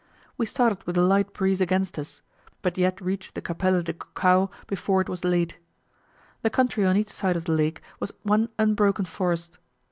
We started with a light breeze against us, but yet reached the Capella de Cucao before it was late. The country on each side of the lake was one unbroken forest.